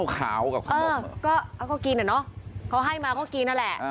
ก็ขอกินเนี่ยเนอะเขาให้มาก็กินอ่ะแหละ